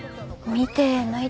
見てない？